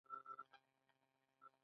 هغوی د ژمنې په بڼه شپه سره ښکاره هم کړه.